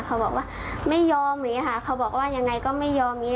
เขาบอกว่าไม่ยอมอย่างนี้ค่ะเขาบอกว่ายังไงก็ไม่ยอมอย่างนี้